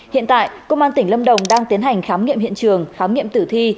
hiện tại công an tỉnh lâm đồng đang tiến hành khám nghiệm hiện trường khám nghiệm tử thi